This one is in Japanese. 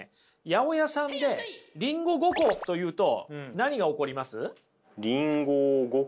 八百屋さんで「りんご５個」と言うと何が起こります？